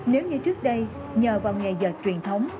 nếu như trước đây nhờ vào nghề dệt truyền thống